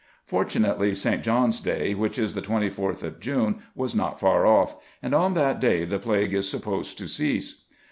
Fortunately, St. John's day, which is the 24th of June, was not far off; and on that day the plague is supposed to cease.